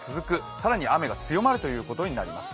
更に雨が強まるということになります。